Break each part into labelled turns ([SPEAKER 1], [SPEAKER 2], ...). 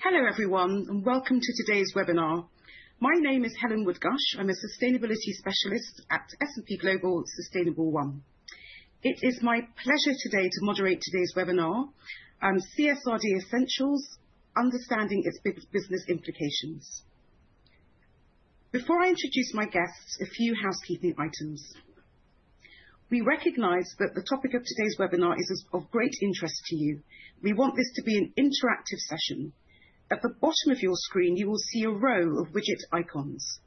[SPEAKER 1] Hello everyone, and welcome to today's webinar. My name is Helen Wood-Gush. I'm a Sustainability Specialist at S&P Global Sustainable1. It is my pleasure today to moderate today's webinar on CSRD Essentials: Understanding Its Business Implications. Before I introduce my guests, a few housekeeping items. We recognize that the topic of today's webinar is of great interest to you. We want this to be an interactive session. At the bottom of your screen, you will see a row of widget icons.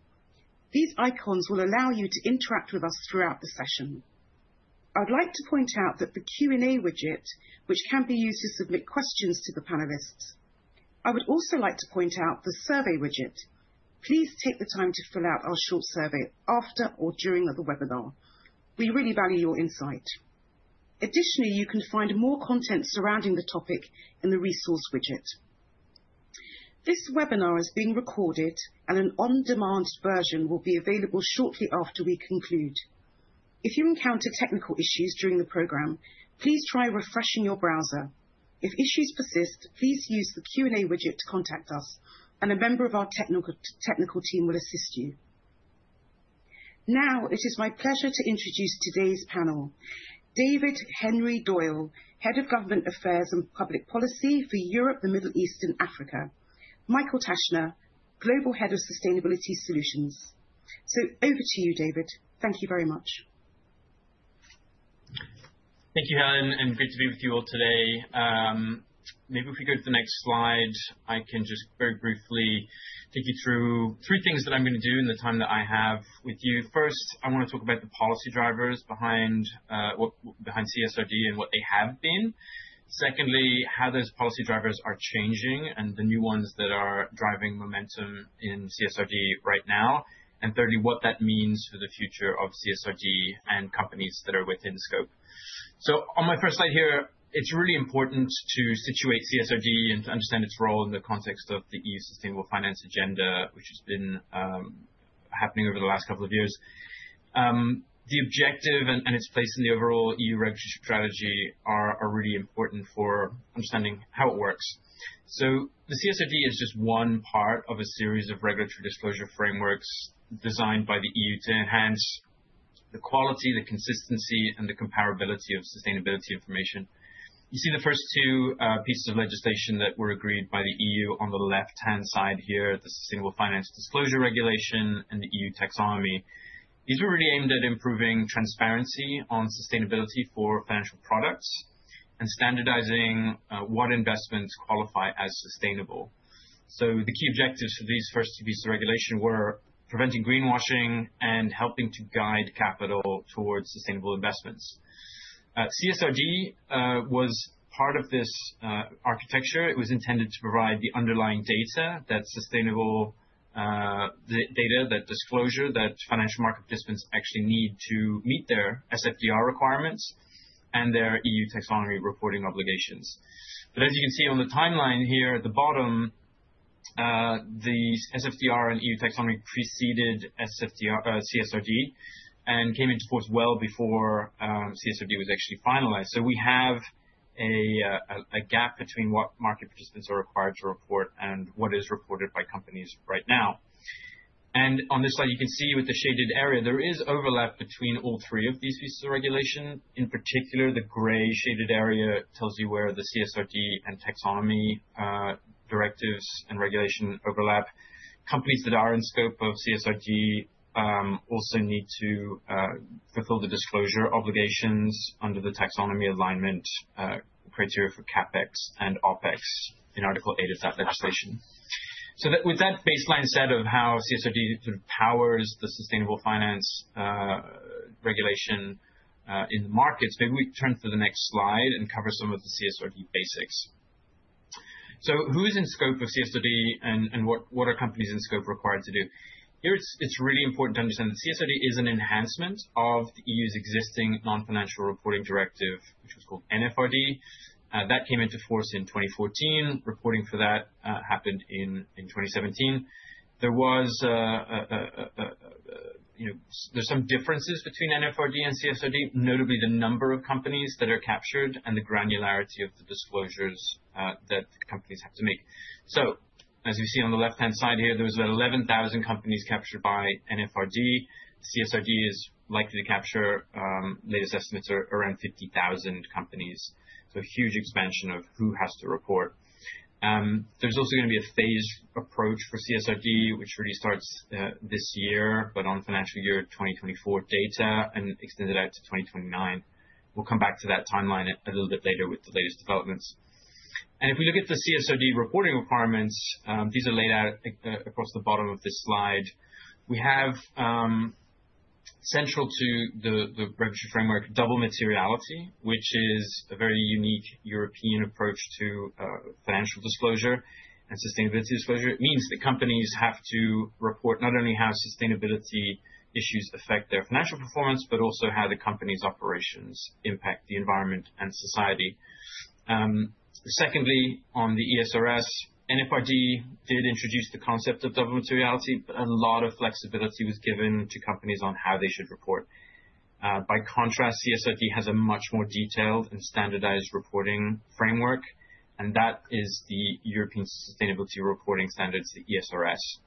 [SPEAKER 1] These icons will allow you to interact with us throughout the session. I'd like to point out that the Q&A widget, which can be used to submit questions to the panelists. I would also like to point out the survey widget. Please take the time to fill out our short survey after or during the webinar. We really value your insight. Additionally, you can find more content surrounding the topic in the resource widget. This webinar is being recorded, and an on-demand version will be available shortly after we conclude. If you encounter technical issues during the program, please try refreshing your browser. If issues persist, please use the Q&A widget to contact us, and a member of our technical team will assist you. Now, it is my pleasure to introduce today's panel: David Henry Doyle, Head of Government Affairs and Public Policy for Europe, the Middle East, and Africa; Michael Taschner, Global Head of Sustainability Solutions, so over to you, David. Thank you very much.
[SPEAKER 2] Thank you, Helen, and great to be with you all today. Maybe if we go to the next slide, I can just very briefly take you through three things that I'm going to do in the time that I have with you. First, I want to talk about the policy drivers behind CSRD and what they have been. Secondly, how those policy drivers are changing and the new ones that are driving momentum in CSRD right now. And thirdly, what that means for the future of CSRD and companies that are within scope. So, on my first slide here, it's really important to situate CSRD and to understand its role in the context of the EU Sustainable Finance Agenda, which has been happening over the last couple of years. The objective and its place in the overall EU regulatory strategy are really important for understanding how it works. So, the CSRD is just one part of a series of regulatory disclosure frameworks designed by the EU to enhance the quality, the consistency, and the comparability of sustainability information. You see the first two pieces of legislation that were agreed by the EU on the left-hand side here: the Sustainable Finance Disclosure Regulation and the EU Taxonomy. These were really aimed at improving transparency on sustainability for financial products and standardizing what investments qualify as sustainable. So, the key objectives for these first two pieces of regulation were preventing greenwashing and helping to guide capital towards sustainable investments. CSRD was part of this architecture. It was intended to provide the underlying data, that sustainable data, that disclosure, that financial market participants actually need to meet their SFDR requirements and their EU Taxonomy reporting obligations. But as you can see on the timeline here at the bottom, the SFDR and EU Taxonomy preceded CSRD and came into force well before CSRD was actually finalized. So, we have a gap between what market participants are required to report and what is reported by companies right now. And on this slide, you can see with the shaded area, there is overlap between all three of these pieces of regulation. In particular, the gray shaded area tells you where the CSRD and Taxonomy directives and regulation overlap. Companies that are in scope of CSRD also need to fulfill the disclosure obligations under the Taxonomy Alignment criteria for CapEx and OpEx in Article 8 of that legislation. So, with that baseline set of how CSRD sort of powers the Sustainable Finance Regulation in the markets, maybe we turn to the next slide and cover some of the CSRD basics. So, who is in scope of CSRD and what are companies in scope required to do? Here, it's really important to understand that CSRD is an enhancement of the EU's existing Non-Financial Reporting Directive, which was called NFRD. That came into force in 2014. Reporting for that happened in 2017. There was, you know, there's some differences between NFRD and CSRD, notably the number of companies that are captured and the granularity of the disclosures that companies have to make. So, as you see on the left-hand side here, there was about 11,000 companies captured by NFRD. CSRD is likely to capture latest estimates around 50,000 companies. So, a huge expansion of who has to report. There's also going to be a phased approach for CSRD, which really starts this year, but on financial year 2024 data and extended out to 2029. We'll come back to that timeline a little bit later with the latest developments, and if we look at the CSRD reporting requirements, these are laid out across the bottom of this slide. We have, central to the regulatory framework, double materiality, which is a very unique European approach to financial disclosure and sustainability disclosure. It means that companies have to report not only how sustainability issues affect their financial performance, but also how the company's operations impact the environment and society. Secondly, on the ESRS, NFRD did introduce the concept of double materiality, but a lot of flexibility was given to companies on how they should report. By contrast, CSRD has a much more detailed and standardized reporting framework, and that is the European Sustainability Reporting Standards, the ESRS.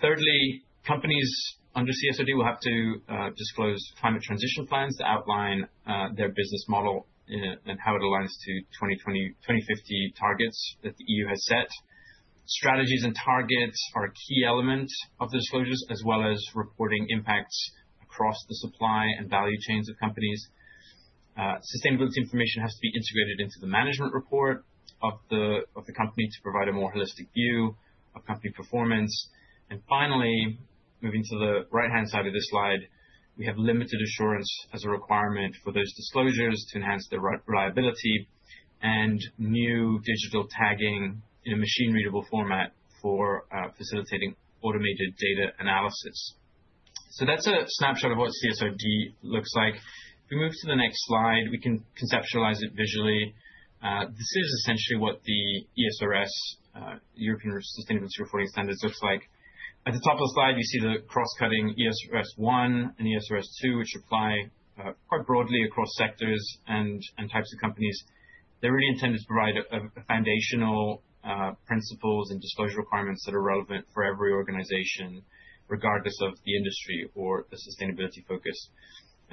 [SPEAKER 2] Thirdly, companies under CSRD will have to disclose climate transition plans to outline their business model and how it aligns to 2050 targets that the EU has set. Strategies and targets are a key element of the disclosures, as well as reporting impacts across the supply and value chains of companies. Sustainability information has to be integrated into the management report of the company to provide a more holistic view of company performance, and finally, moving to the right-hand side of this slide, we have limited assurance as a requirement for those disclosures to enhance their reliability and new digital tagging in a machine-readable format for facilitating automated data analysis, so that's a snapshot of what CSRD looks like. If we move to the next slide, we can conceptualize it visually. This is essentially what the ESRS, European Sustainability Reporting Standards, looks like. At the top of the slide, you see the cross-cutting ESRS 1 and ESRS 2, which apply quite broadly across sectors and types of companies. They're really intended to provide foundational principles and disclosure requirements that are relevant for every organization, regardless of the industry or the sustainability focus.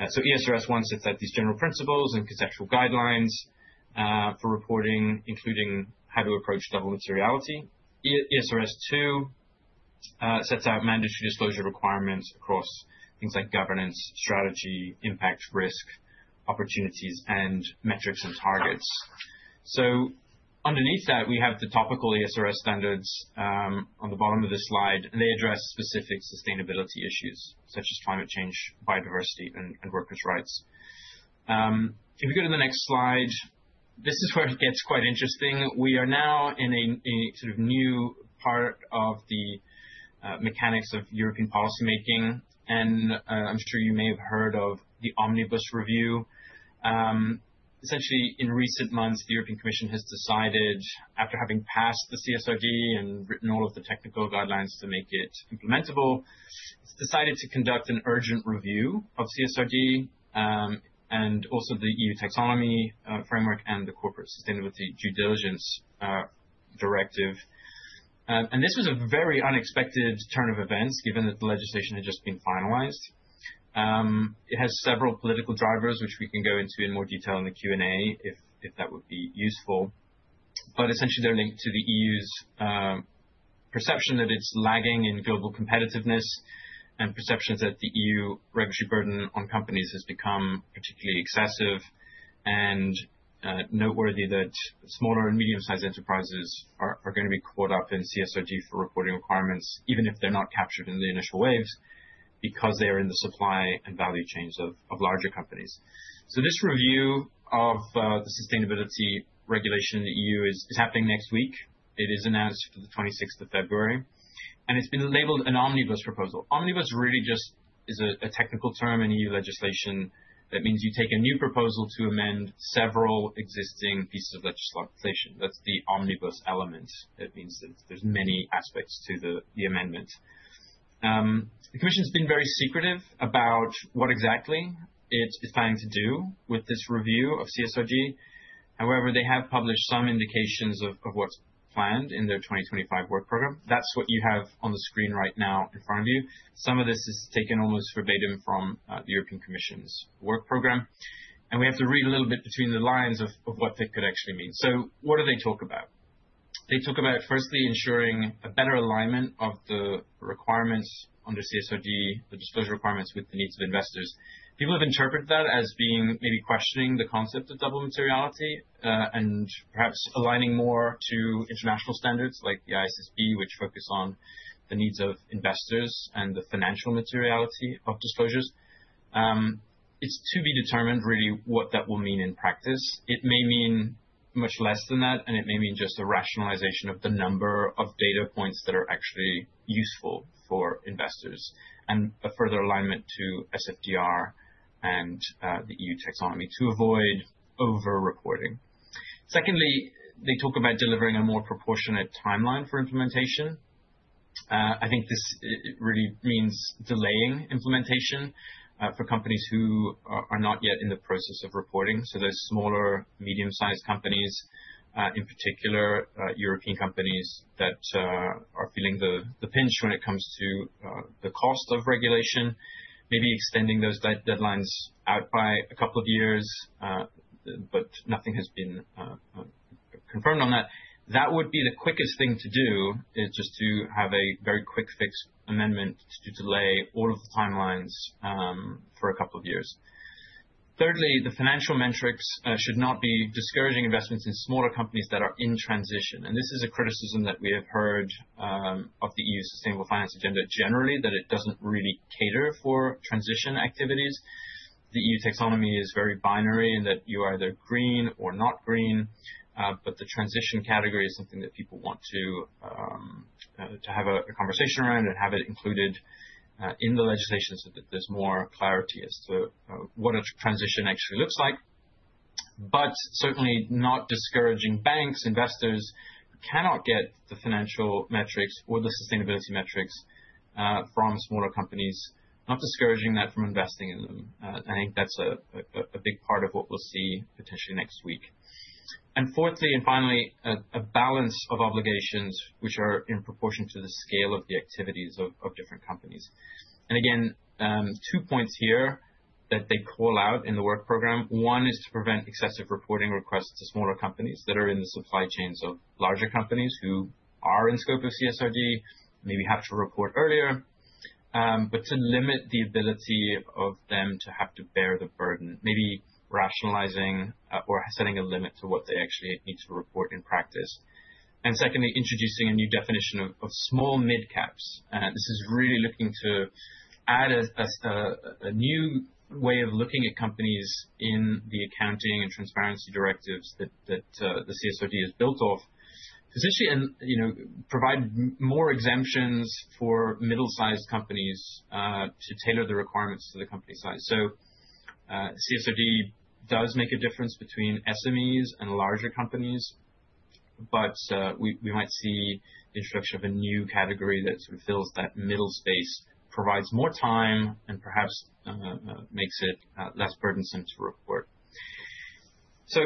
[SPEAKER 2] So, ESRS 1 sets out these general principles and conceptual guidelines for reporting, including how to approach double materiality. ESRS 2 sets out mandatory disclosure requirements across things like governance, strategy, impact, risk, opportunities, and metrics and targets. So, underneath that, we have the topical ESRS standards on the bottom of this slide, and they address specific sustainability issues such as climate change, biodiversity, and workers' rights. If we go to the next slide, this is where it gets quite interesting. We are now in a sort of new part of the mechanics of European policymaking, and I'm sure you may have heard of the Omnibus Review. Essentially, in recent months, the European Commission has decided, after having passed the CSRD and written all of the technical guidelines to make it implementable, it's decided to conduct an urgent review of CSRD and also the EU Taxonomy framework and the Corporate Sustainability Due Diligence Directive, and this was a very unexpected turn of events, given that the legislation had just been finalized. It has several political drivers, which we can go into in more detail in the Q&A if that would be useful, but essentially, they're linked to the EU's perception that it's lagging in global competitiveness and perceptions that the EU regulatory burden on companies has become particularly excessive. And noteworthy that smaller and medium-sized enterprises are going to be caught up in CSRD for reporting requirements, even if they're not captured in the initial waves, because they are in the supply and value chains of larger companies. So, this review of the Sustainability Regulation in the EU is happening next week. It is announced for the 26th of February, and it's been labeled an Omnibus proposal. Omnibus really just is a technical term in EU legislation. That means you take a new proposal to amend several existing pieces of legislation. That's the Omnibus element. That means that there's many aspects to the amendment. The Commission has been very secretive about what exactly it is planning to do with this review of CSRD. However, they have published some indications of what's planned in their 2025 work program. That's what you have on the screen right now in front of you. Some of this is taken almost verbatim from the European Commission's work program. And we have to read a little bit between the lines of what that could actually mean. So, what do they talk about? They talk about, firstly, ensuring a better alignment of the requirements under CSRD, the disclosure requirements, with the needs of investors. People have interpreted that as being maybe questioning the concept of double materiality and perhaps aligning more to international standards like the ISSB, which focus on the needs of investors and the financial materiality of disclosures. It's to be determined really what that will mean in practice. It may mean much less than that, and it may mean just a rationalization of the number of data points that are actually useful for investors and a further alignment to SFDR and the EU Taxonomy to avoid over-reporting. Secondly, they talk about delivering a more proportionate timeline for implementation. I think this really means delaying implementation for companies who are not yet in the process of reporting. So, those smaller, medium-sized companies, in particular European companies that are feeling the pinch when it comes to the cost of regulation, maybe extending those deadlines out by a couple of years, but nothing has been confirmed on that. That would be the quickest thing to do, is just to have a very quick fix amendment to delay all of the timelines for a couple of years. Thirdly, the financial metrics should not be discouraging investments in smaller companies that are in transition. And this is a criticism that we have heard of the EU Sustainable Finance Agenda generally, that it doesn't really cater for transition activities. The EU Taxonomy is very binary in that you are either green or not green, but the transition category is something that people want to have a conversation around and have it included in the legislation so that there's more clarity as to what a transition actually looks like. But certainly not discouraging banks, investors who cannot get the financial metrics or the sustainability metrics from smaller companies, not discouraging that from investing in them. I think that's a big part of what we'll see potentially next week. And fourthly and finally, a balance of obligations which are in proportion to the scale of the activities of different companies. Again, two points here that they call out in the work program. One is to prevent excessive reporting requests to smaller companies that are in the supply chains of larger companies who are in scope of CSRD, maybe have to report earlier, but to limit the ability of them to have to bear the burden, maybe rationalizing or setting a limit to what they actually need to report in practice. Secondly, introducing a new definition of small mid-caps. This is really looking to add a new way of looking at companies in the accounting and transparency directives that the CSRD has built off, essentially provide more exemptions for middle-sized companies to tailor the requirements to the company size. CSRD does make a difference between SMEs and larger companies, but we might see the introduction of a new category that sort of fills that middle space, provides more time and perhaps makes it less burdensome to report. So,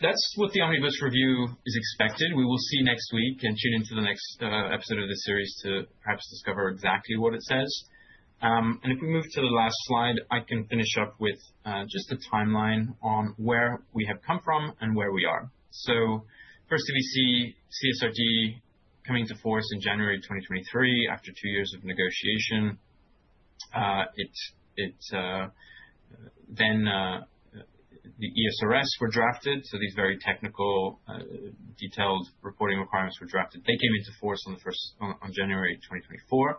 [SPEAKER 2] that's what the Omnibus Review is expected. We will see next week and tune into the next episode of this series to perhaps discover exactly what it says. And if we move to the last slide, I can finish up with just a timeline on where we have come from and where we are. So, firstly, we see CSRD coming into force in January 2023 after two years of negotiation. Then the ESRS were drafted. So, these very technical, detailed reporting requirements were drafted. They came into force on January 2024.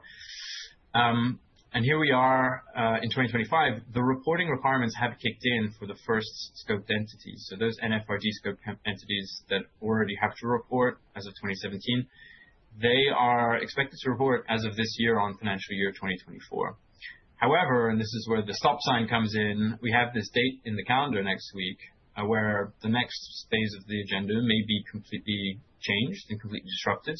[SPEAKER 2] And here we are in 2025. The reporting requirements have kicked in for the first scoped entities. So, those NFRD scope entities that already have to report as of 2017, they are expected to report as of this year on financial year 2024. However, and this is where the stop sign comes in, we have this date in the calendar next week where the next phase of the agenda may be completely changed and completely disrupted.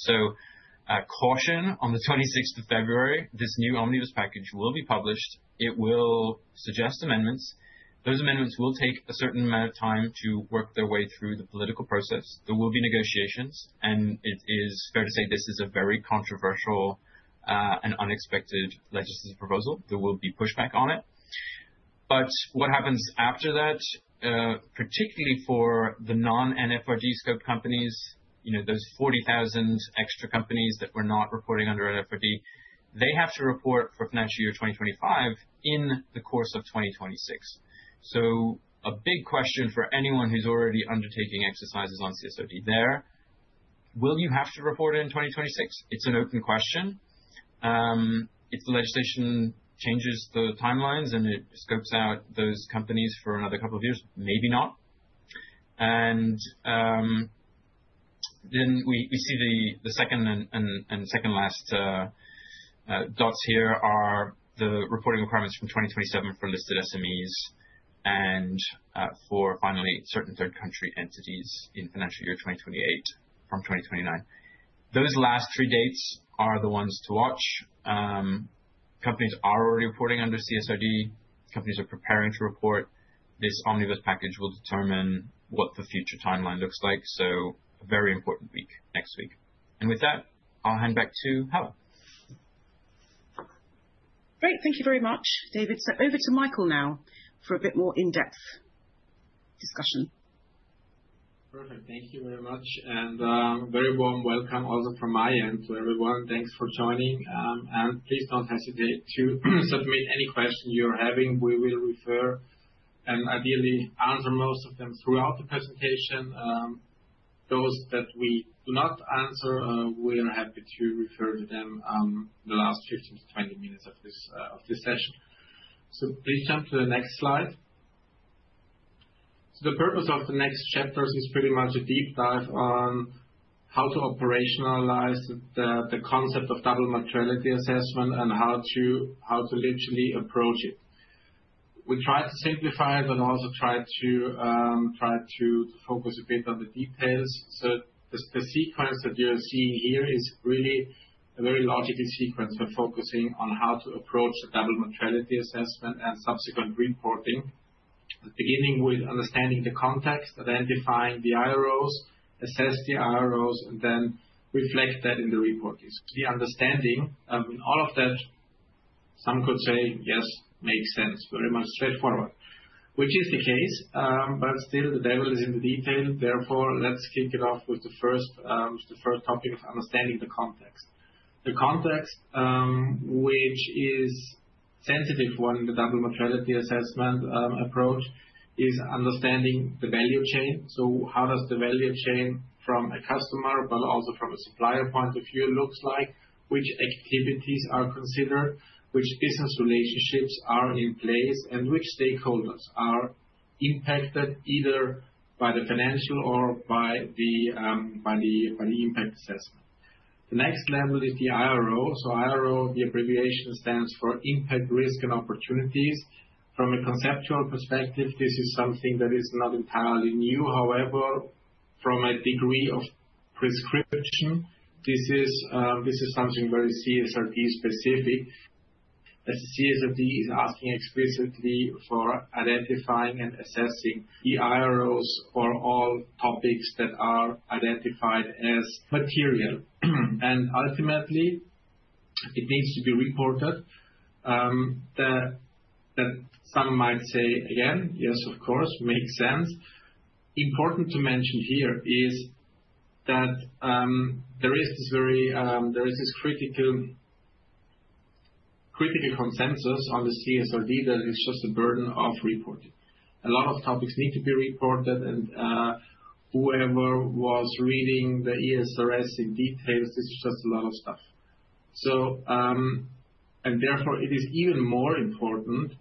[SPEAKER 2] So, caution on the 26th of February. This new Omnibus package will be published. It will suggest amendments. Those amendments will take a certain amount of time to work their way through the political process. There will be negotiations, and it is fair to say this is a very controversial and unexpected legislative proposal. There will be pushback on it. But what happens after that, particularly for the non-NFRD scope companies, you know, those 40,000 extra companies that were not reporting under NFRD. They have to report for financial year 2025 in the course of 2026. So, a big question for anyone who's already undertaking exercises on CSRD there. Will you have to report in 2026? It's an open question. If the legislation changes the timelines and it scopes out those companies for another couple of years, maybe not. And then we see the second and second last dots here. Are the reporting requirements from 2027 for listed SMEs and finally certain third country entities in financial year 2028 from 2029. Those last three dates are the ones to watch. Companies are already reporting under CSRD. Companies are preparing to report. This Omnibus package will determine what the future timeline looks like. So, a very important week next week. And with that, I'll hand back to Helen. Great. Thank you very much, David. So, over to Michael now for a bit more in-depth discussion.
[SPEAKER 3] Perfect. Thank you very much. And very warm welcome also from my end to everyone. Thanks for joining. And please don't hesitate to submit any questions you're having. We will refer and ideally answer most of them throughout the presentation. Those that we do not answer, we are happy to refer to them in the last 15-20 minutes of this session. So, please jump to the next slide. So, the purpose of the next chapters is pretty much a deep dive on how to operationalize the concept of double materiality assessment and how to literally approach it. We try to simplify it, but also try to focus a bit on the details. So, the sequence that you're seeing here is really a very logical sequence for focusing on how to approach the double materiality assessment and subsequent reporting, beginning with understanding the context, identifying the IROs, assess the IROs, and then reflect that in the reporting. So, the understanding in all of that, some could say, yes, makes sense, very much straightforward, which is the case, but still the devil is in the detail. Therefore, let's kick it off with the first topic of understanding the context. The context, which is a sensitive one in the double materiality assessment approach, is understanding the value chain. So, how does the value chain from a customer, but also from a supplier point of view, looks like? Which activities are considered? Which business relationships are in place? And which stakeholders are impacted either by the financial or by the impact assessment? The next level is the IRO. So, IRO, the abbreviation stands for Impact, Risk, and Opportunities. From a conceptual perspective, this is something that is not entirely new. However, from a degree of prescription, this is something very CSRD specific. The CSRD is asking explicitly for identifying and assessing the IROs for all topics that are identified as material, and ultimately, it needs to be reported. That some might say, again, yes, of course, makes sense. Important to mention here is that there is this critical consensus on the CSRD that it's just a burden of reporting. A lot of topics need to be reported, and whoever was reading the ESRS in detail, this is just a lot of stuff, and therefore, it is even more important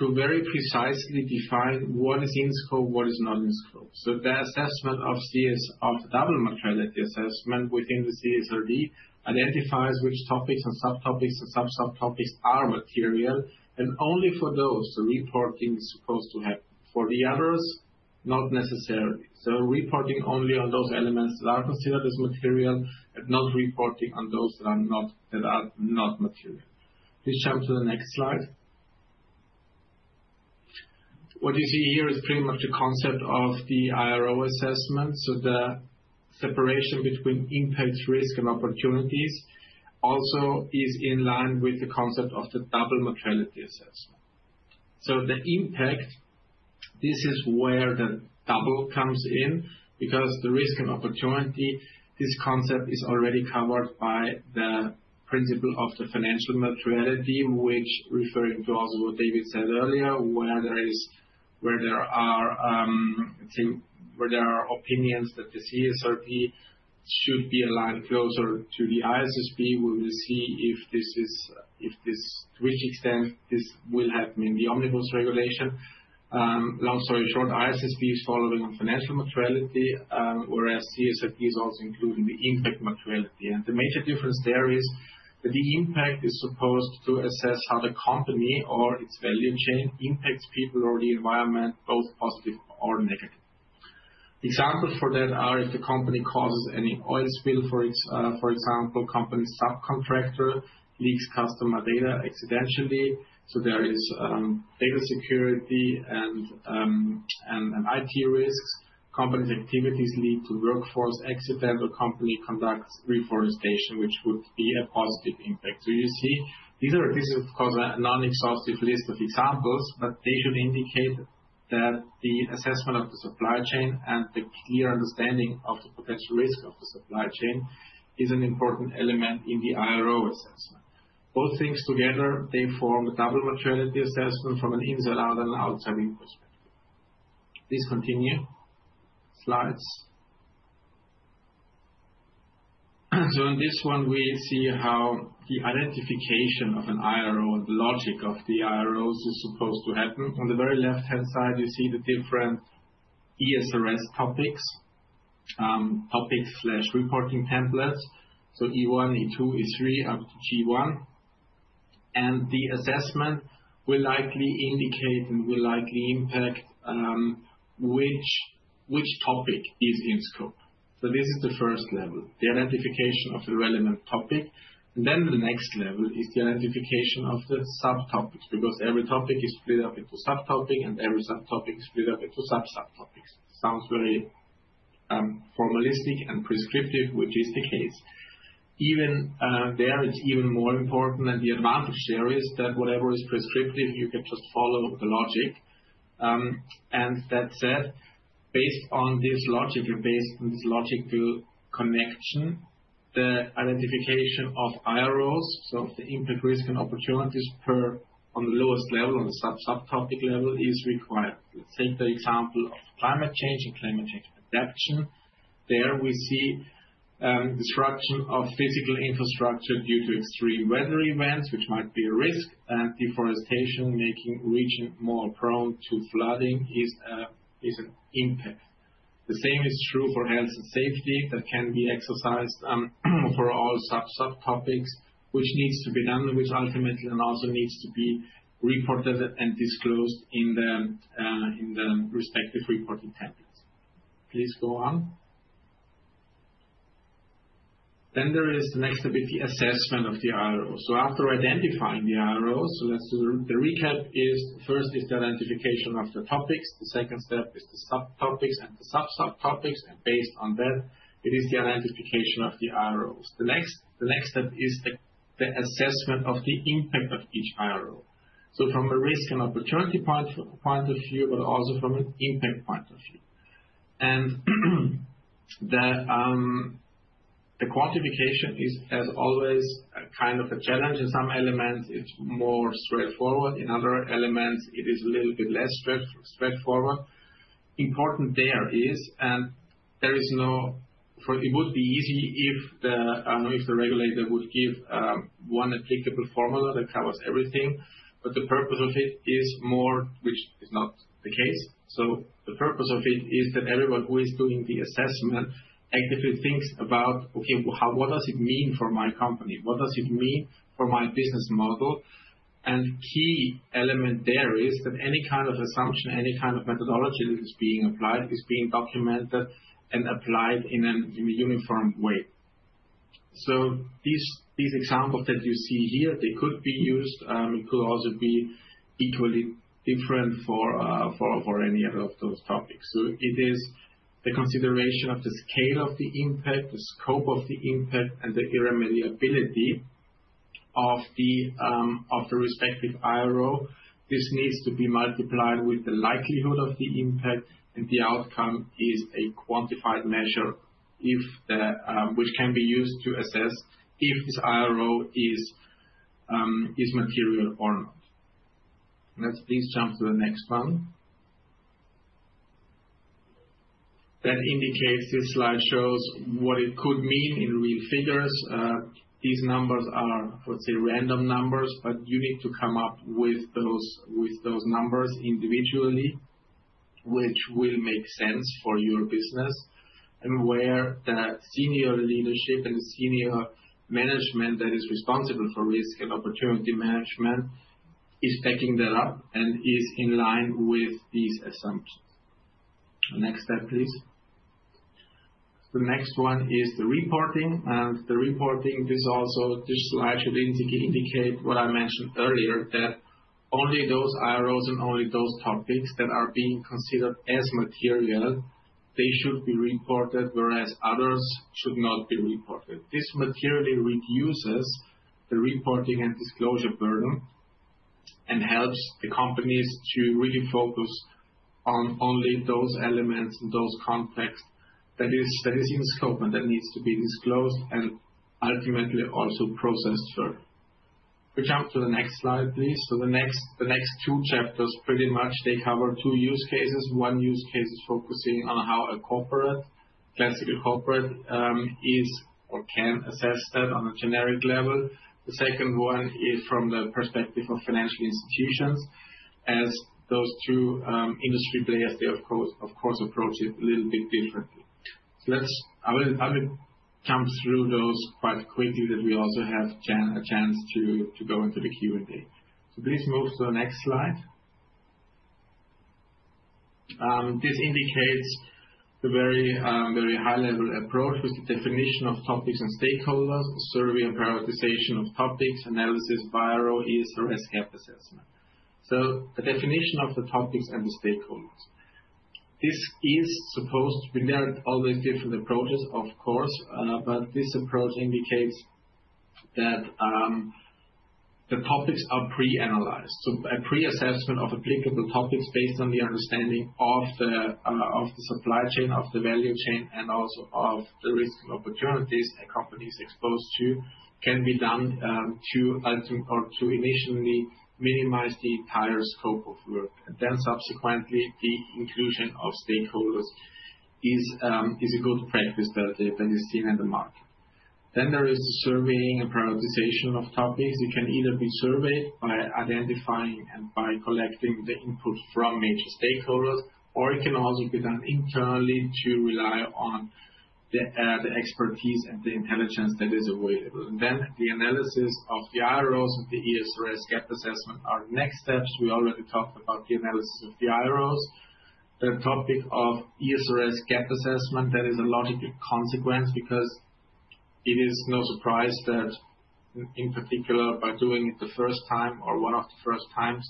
[SPEAKER 3] to very precisely define what is in scope, what is not in scope. The assessment of the double materiality assessment within the CSRD identifies which topics and subtopics and sub-subtopics are material, and only for those the reporting is supposed to happen. For the others, not necessarily. Reporting only on those elements that are considered as material and not reporting on those that are not material. Please jump to the next slide. What you see here is pretty much the concept of the IRO assessment. The separation between impact, risk, and opportunities also is in line with the concept of the double materiality assessment. The impact, this is where the double comes in, because the risk and opportunity, this concept is already covered by the principle of the financial materiality, which refers to also what David said earlier, where there are, I think, opinions that the CSRD should be aligned closer to the ISSB. We will see to which extent this will happen in the Omnibus Regulation. Long story short, ISSB is following on financial materiality, whereas CSRD is also including the impact materiality. And the major difference there is that the impact is supposed to assess how the company or its value chain impacts people or the environment, both positive or negative. Examples for that are if the company causes any oil spill, for example, company subcontractor leaks customer data accidentally. So, there is data security and IT risks. Company's activities lead to workforce accident or company conducts reforestation, which would be a positive impact. You see, this is of course a non-exhaustive list of examples, but they should indicate that the assessment of the supply chain and the clear understanding of the potential risk of the supply chain is an important element in the IRO assessment. All things together, they form a double materiality assessment from an inside-out and outside-in perspective. Please continue slides. In this one, we see how the identification of an IRO and the logic of the IROs is supposed to happen. On the very left-hand side, you see the different ESRS topics, reporting templates. E1, E2, E3 up to G1. The assessment will likely indicate and will likely impact which topic is in scope. This is the first level, the identification of the relevant topic. And then the next level is the identification of the subtopics, because every topic is split up into subtopics and every subtopic is split up into sub-subtopics. Sounds very formalistic and prescriptive, which is the case. Even there, it's even more important, and the advantage there is that whatever is prescriptive, you can just follow the logic. And that said, based on this logic and based on this logical connection, the identification of IROs, so of the impact, risk, and opportunities per on the lowest level, on the sub-subtopic level is required. Let's take the example of climate change and climate change adaptation. There we see disruption of physical infrastructure due to extreme weather events, which might be a risk, and deforestation making a region more prone to flooding is an impact. The same is true for health and safety that can be exercised for all sub-subtopics, which needs to be done, which ultimately also needs to be reported and disclosed in the respective reporting templates. Please go on. Then there is the next bit: the assessment of the IROs. After identifying the IROs, let's do the recap. First is the identification of the topics. The second step is the sub-topics and the sub-subtopics. Based on that, it is the identification of the IROs. The next step is the assessment of the impact of each IRO from a risk and opportunity point of view, but also from an impact point of view. The quantification is, as always, kind of a challenge in some elements. It's more straightforward. In other elements, it is a little bit less straightforward. Importantly, there is no. It would be easy if the regulator would give one applicable formula that covers everything, but the purpose of it is more, which is not the case, so the purpose of it is that everyone who is doing the assessment actively thinks about, okay, what does it mean for my company? What does it mean for my business model, and key element there is that any kind of assumption, any kind of methodology that is being applied is being documented and applied in a uniform way, so these examples that you see here, they could be used. It could also be equally different for any of those topics, so it is the consideration of the scale of the impact, the scope of the impact, and the irremediability of the respective IRO. This needs to be multiplied with the likelihood of the impact, and the outcome is a quantified measure, which can be used to assess if this IRO is material or not. Let's please jump to the next one. That indicates this slide shows what it could mean in real figures. These numbers are, let's say, random numbers, but you need to come up with those numbers individually, which will make sense for your business and where the senior leadership and the senior management that is responsible for risk and opportunity management is backing that up and is in line with these assumptions. Next step, please. The next one is the reporting. The reporting, also this slide should indicate what I mentioned earlier, that only those IROs and only those topics that are being considered as material, they should be reported, whereas others should not be reported. This materially reduces the reporting and disclosure burden and helps the companies to really focus on only those elements and those contexts that is in scope and that needs to be disclosed and ultimately also processed further. We jump to the next slide, please. So, the next two chapters pretty much they cover two use cases. One use case is focusing on how a corporate, classical corporate, is or can assess that on a generic level. The second one is from the perspective of financial institutions, as those two industry players, they of course approach it a little bit differently. So, let's. I will jump through those quite quickly that we also have a chance to go into the Q&A. So, please move to the next slide. This indicates the very high-level approach with the definition of topics and stakeholders, survey and prioritization of topics, analysis, IRO, ESRS, gap assessment. So, the definition of the topics and the stakeholders. This is supposed to be. There are always different approaches, of course, but this approach indicates that the topics are pre-analyzed. So, a pre-assessment of applicable topics based on the understanding of the supply chain, of the value chain, and also of the risk and opportunities a company is exposed to can be done to ultimately or to initially minimize the entire scope of work. And then subsequently, the inclusion of stakeholders is a good practice that is seen in the market. Then there is the surveying and prioritization of topics. It can either be surveyed by identifying and by collecting the input from major stakeholders, or it can also be done internally to rely on the expertise and the intelligence that is available. And then the analysis of the IROs and the ESRS gap assessment are next steps. We already talked about the analysis of the IROs. The topic of ESRS gap assessment, that is a logical consequence because it is no surprise that in particular, by doing it the first time or one of the first times,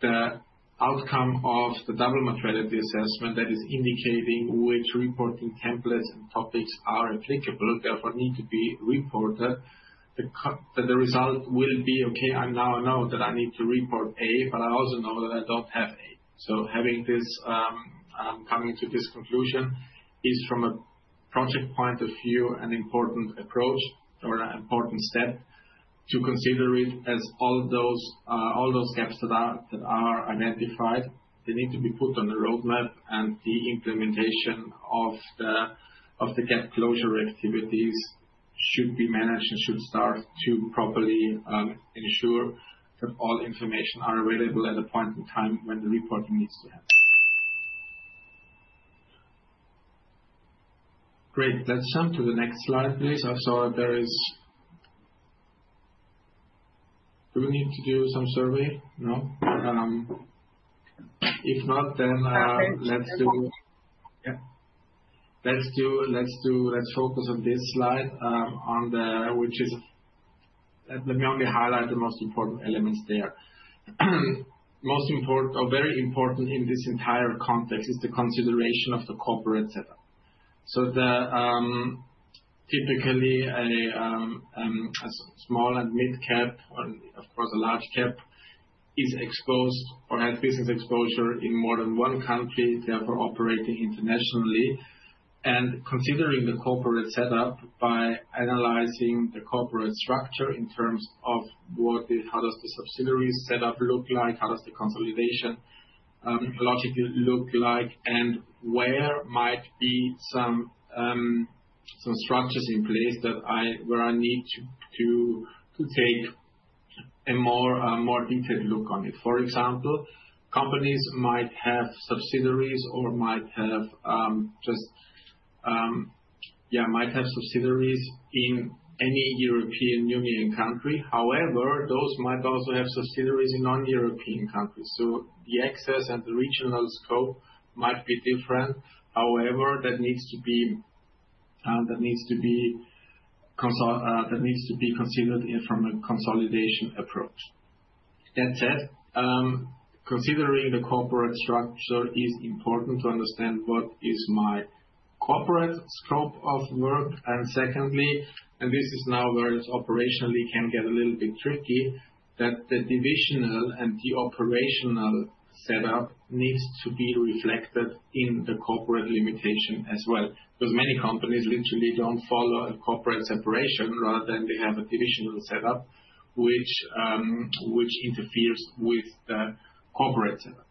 [SPEAKER 3] the outcome of the double materiality assessment that is indicating which reporting templates and topics are applicable, therefore need to be reported, that the result will be, okay, I now know that I need to report A, but I also know that I don't have A. So, having this coming to this conclusion is, from a project point of view, an important approach or an important step to consider it as all those gaps that are identified. They need to be put on the roadmap, and the implementation of the gap closure activities should be managed and should start to properly ensure that all information is available at a point in time when the reporting needs to happen. Great. Let's jump to the next slide, please. I saw that there is do we need to do some survey? No? If not, then let's do. Yeah. Let's focus on this slide, which is let me only highlight the most important elements there. Most important or very important in this entire context is the consideration of the corporate setup. So, typically, a small- and mid-cap or, of course, a large-cap is exposed or has business exposure in more than one country, therefore operating internationally. Considering the corporate setup by analyzing the corporate structure in terms of what, how does the subsidiary setup look like, how does the consolidation logically look like, and where might be some structures in place that I need to take a more detailed look on it. For example, companies might have subsidiaries in any European Union country. However, those might also have subsidiaries in non-European countries. So, the access and the regional scope might be different. However, that needs to be considered from a consolidation approach. That said, considering the corporate structure is important to understand what is my corporate scope of work. And secondly, and this is now where it operationally can get a little bit tricky, that the divisional and the operational setup needs to be reflected in the corporate limitation as well, because many companies literally don't follow a corporate separation. Rather than they have a divisional setup which interferes with the corporate setup.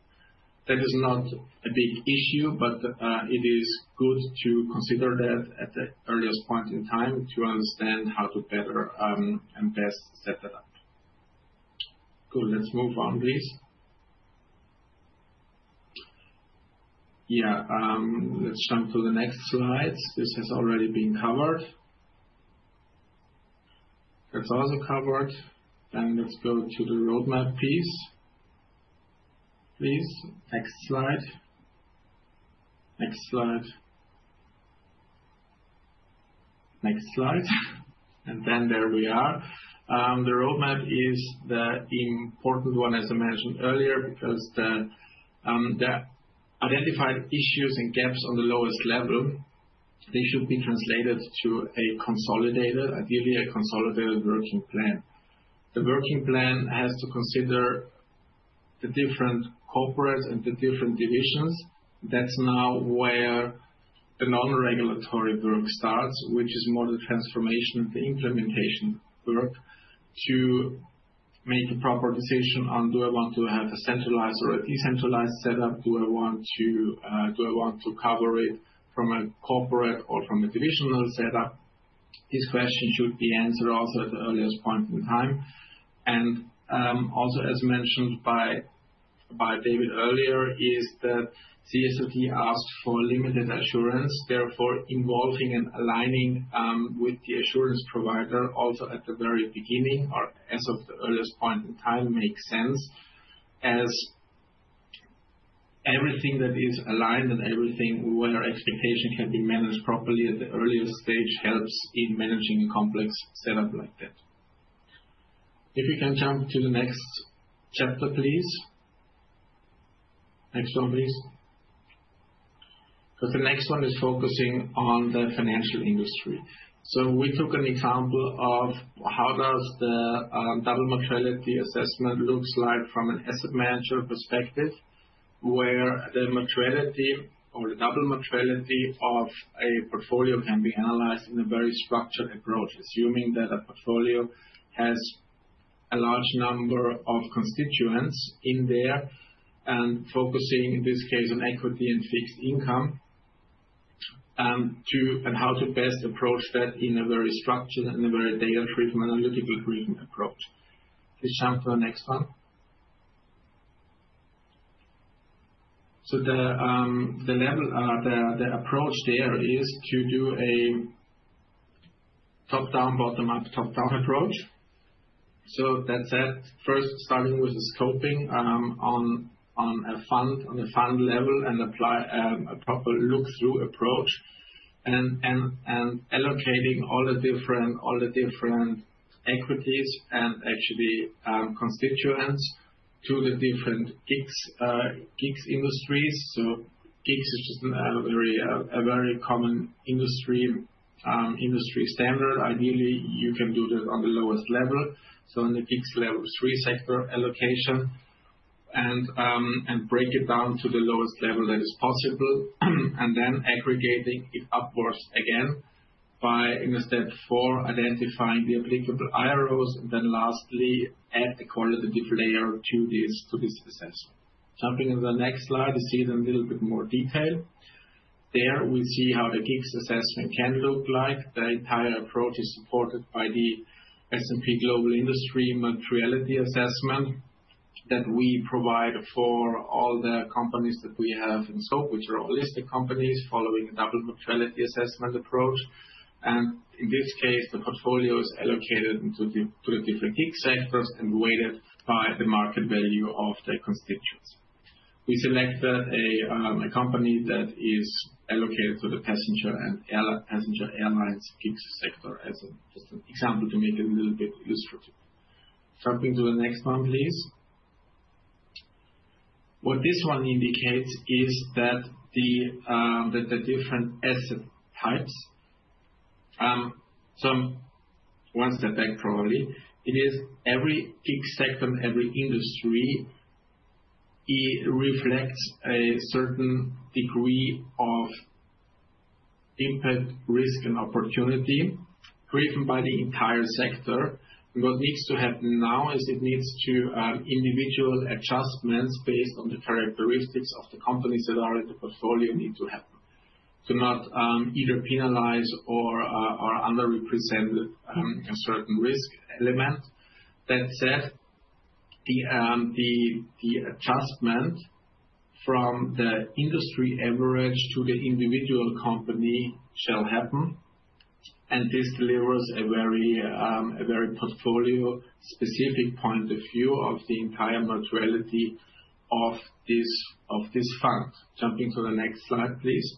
[SPEAKER 3] That is not a big issue, but it is good to consider that at the earliest point in time to understand how to better and best set that up. Cool. Let's move on, please. Yeah. Let's jump to the next slides. This has already been covered. That's also covered. Then let's go to the roadmap piece, please. Next slide. Next slide. Next slide. And then there we are. The roadmap is the important one, as I mentioned earlier, because the identified issues and gaps on the lowest level, they should be translated to a consolidated, ideally a consolidated working plan. The working plan has to consider the different corporates and the different divisions. That's now where the non-regulatory work starts, which is more the transformation and the implementation work to make a proper decision on, do I want to have a centralized or a decentralized setup? Do I want to cover it from a corporate or from a divisional setup? These questions should be answered also at the earliest point in time. And also, as mentioned by David earlier, is that CSRD asked for limited assurance. Therefore, involving and aligning with the assurance provider also at the very beginning or as of the earliest point in time makes sense, as everything that is aligned and everything where expectation can be managed properly at the earliest stage helps in managing a complex setup like that. If you can jump to the next chapter, please. Next one, please. Because the next one is focusing on the financial industry. So, we took an example of how does the double materiality assessment looks like from an asset manager perspective, where the materiality or the double materiality of a portfolio can be analyzed in a very structured approach, assuming that a portfolio has a large number of constituents in there and focusing, in this case, on equity and fixed income and how to best approach that in a very structured and a very data-driven, analytical-driven approach. Please jump to the next one. So, the approach there is to do a top-down, bottom-up, top-down approach. So, that said, first, starting with the scoping on a fund, on a fund level, and apply a proper look-through approach and allocating all the different equities and actually constituents to the different GICS industries. So, GICS is just a very common industry standard. Ideally, you can do that on the lowest level. So, on the GICS level three sector allocation and break it down to the lowest level that is possible, and then aggregating it upwards again by, in a step four, identifying the applicable IROs, and then lastly, add a qualitative layer to this assessment. Jumping to the next slide, you see it in a little bit more detail. There, we see how the GICS assessment can look like. The entire approach is supported by the S&P Global Industry Materiality Assessment that we provide for all the companies that we have in scope, which are all listed companies following a double materiality assessment approach, and in this case, the portfolio is allocated into the different GICS sectors and weighted by the market value of their constituents. We selected a company that is allocated to the passenger and airlines GICS sector as just an example to make it a little bit illustrative. Jumping to the next one, please. What this one indicates is that the different asset types. It is every GICS sector in every industry reflects a certain degree of impact, risk, and opportunity driven by the entire sector. And what needs to happen now is it needs to individual adjustments based on the characteristics of the companies that are in the portfolio need to happen to not either penalize or underrepresent a certain risk element. That said, the adjustment from the industry average to the individual company shall happen. And this delivers a very portfolio-specific point of view of the entire materiality of this fund. Jumping to the next slide, please.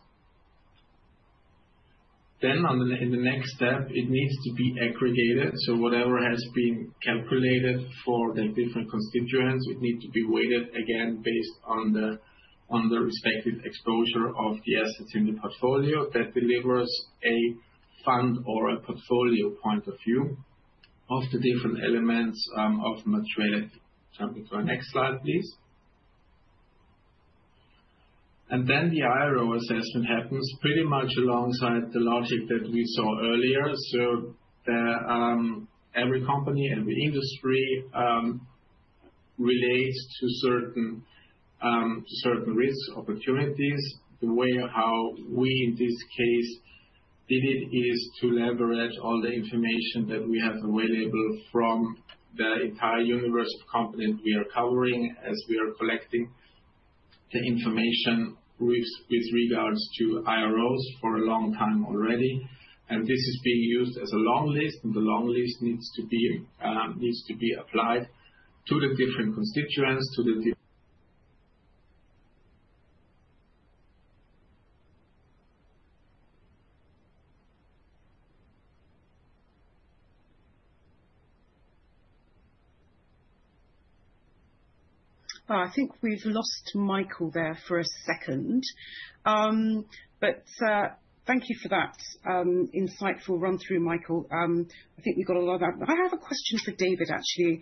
[SPEAKER 3] Then, in the next step, it needs to be aggregated. So, whatever has been calculated for the different constituents, it needs to be weighted again based on the respective exposure of the assets in the portfolio that delivers a fund or a portfolio point of view of the different elements of materiality. Jumping to the next slide, please. And then the IRO assessment happens pretty much alongside the logic that we saw earlier. So, every company, every industry relates to certain risks, opportunities. The way how we, in this case, did it is to leverage all the information that we have available from the entire universe of companies we are covering as we are collecting the information with regards to IROs for a long time already. And this is being used as a long list, and the long list needs to be applied to the different constituents, to the groups.
[SPEAKER 1] I think we've lost Michael there for a second. But thank you for that insightful run-through, Michael. I think we got a lot of that. I have a question for David, actually.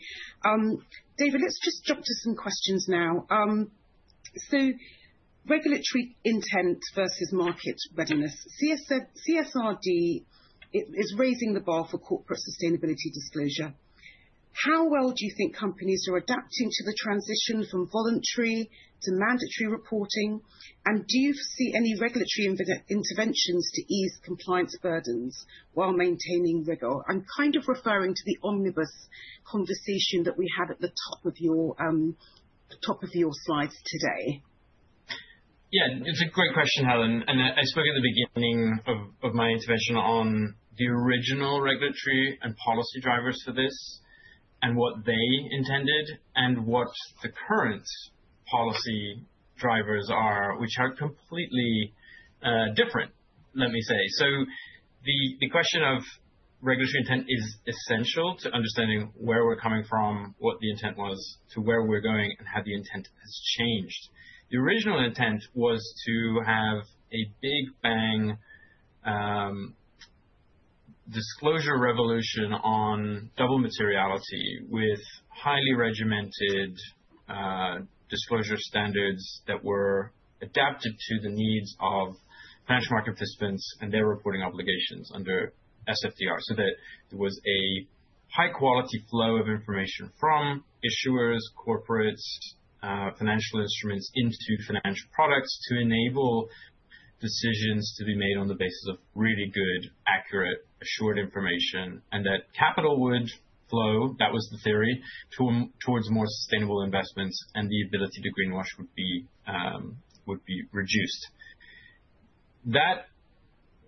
[SPEAKER 1] David, let's just jump to some questions now. So, regulatory intent versus market readiness. CSRD is raising the bar for corporate sustainability disclosure. How well do you think companies are adapting to the transition from voluntary to mandatory reporting? Do you see any regulatory interventions to ease compliance burdens while maintaining rigor? I'm kind of referring to the Omnibus conversation that we had at the top of your slides today.
[SPEAKER 2] Yeah. It's a great question, Helen. And I spoke at the beginning of my intervention on the original regulatory and policy drivers for this and what they intended and what the current policy drivers are, which are completely different, let me say. So, the question of regulatory intent is essential to understanding where we're coming from, what the intent was, to where we're going, and how the intent has changed. The original intent was to have a big bang disclosure revolution on double materiality with highly regimented disclosure standards that were adapted to the needs of financial market participants and their reporting obligations under SFDR so that there was a high-quality flow of information from issuers, corporates, financial instruments into financial products to enable decisions to be made on the basis of really good, accurate, assured information and that capital would flow, that was the theory, towards more sustainable investments, and the ability to greenwash would be reduced. That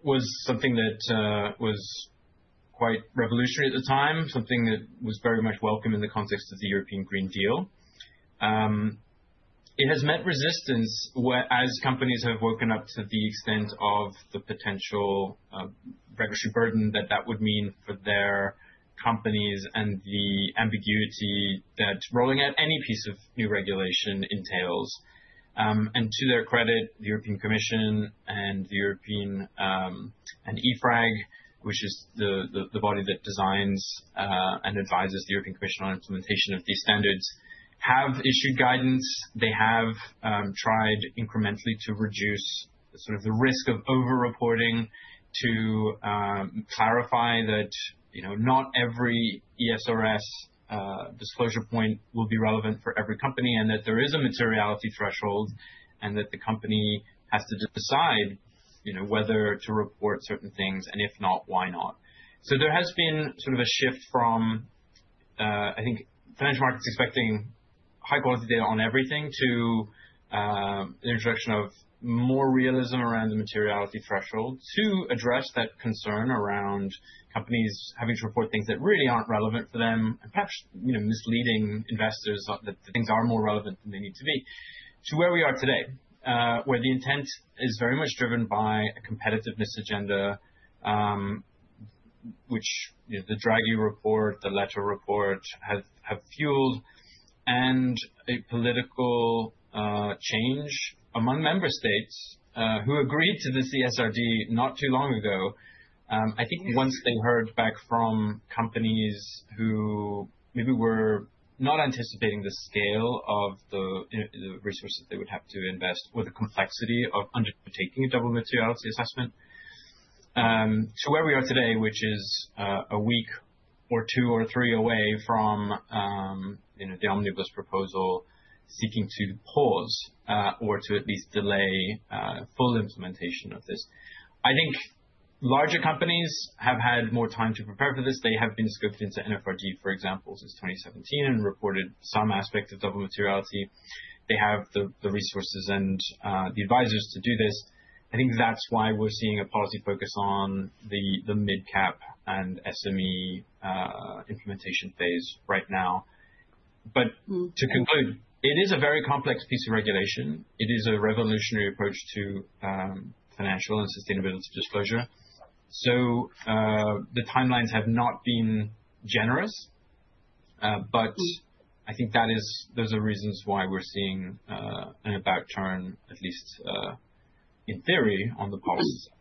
[SPEAKER 2] was something that was quite revolutionary at the time, something that was very much welcome in the context of the European Green Deal. It has met resistance as companies have woken up to the extent of the potential regulatory burden that that would mean for their companies and the ambiguity that rolling out any piece of new regulation entails. To their credit, the European Commission and EFRAG, which is the body that designs and advises the European Commission on implementation of these standards, have issued guidance. They have tried incrementally to reduce sort of the risk of over-reporting to clarify that not every ESRS disclosure point will be relevant for every company and that there is a materiality threshold and that the company has to decide whether to report certain things, and if not, why not. So, there has been sort of a shift from, I think, financial markets expecting high-quality data on everything to the introduction of more realism around the materiality threshold to address that concern around companies having to report things that really aren't relevant for them and perhaps misleading investors that things are more relevant than they need to be, to where we are today, where the intent is very much driven by a competitiveness agenda, which the Draghi Report, the Letta Report have fueled, and a political change among member states who agreed to the CSRD not too long ago. I think once they heard back from companies who maybe were not anticipating the scale of the resources they would have to invest or the complexity of undertaking a double materiality assessment to where we are today, which is a week or two or three away from the Omnibus proposal seeking to pause or to at least delay full implementation of this. I think larger companies have had more time to prepare for this. They have been scoped into NFRD, for example, since 2017 and reported some aspect of double materiality. They have the resources and the advisors to do this. I think that's why we're seeing a policy focus on the mid-cap and SME implementation phase right now. But to conclude, it is a very complex piece of regulation. It is a revolutionary approach to financial and sustainability disclosure. So, the timelines have not been generous, but I think those are reasons why we're seeing an about turn, at least in theory, on the policy side.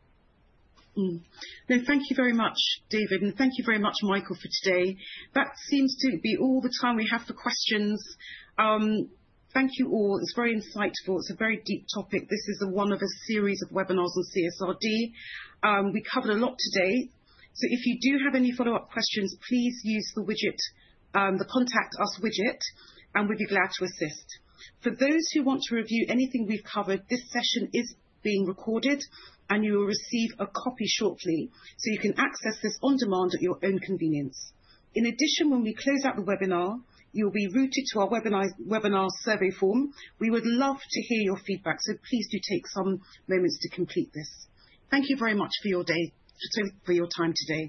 [SPEAKER 1] No, thank you very much, David, and thank you very much, Michael, for today. That seems to be all the time we have for questions. Thank you all. It's very insightful. It's a very deep topic. This is one of a series of webinars on CSRD. We covered a lot today. So, if you do have any follow-up questions, please use the Contact Us widget, and we'd be glad to assist. For those who want to review anything we've covered, this session is being recorded, and you will receive a copy shortly. So, you can access this on demand at your own convenience. In addition, when we close out the webinar, you'll be routed to our webinar survey form. We would love to hear your feedback, so please do take some moments to complete this. Thank you very much for your time today.